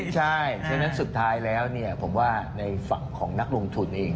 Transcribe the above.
ใช่ฉะนั้นสุดท้ายแล้วผมว่าในฝั่งของนักลงทุนเอง